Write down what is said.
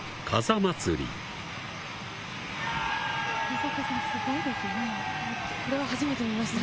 梨紗子さん、すごいですね。